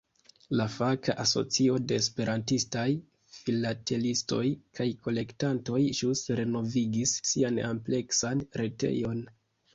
La faka asocio de esperantistaj filatelistoj kaj kolektantoj ĵus renovigis sian ampleksan retejon.